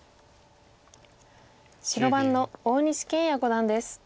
白番の大西研也五段です。